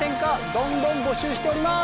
どんどん募集しております。